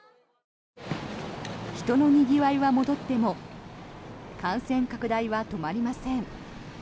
人のにぎわいは戻っても感染拡大は止まりません。